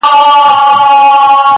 ستا د مينې ستا د عشق له برکته_